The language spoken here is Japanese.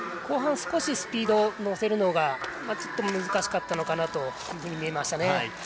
後半少しスピード乗せるのがちょっと難しかったのかなと見えましたね。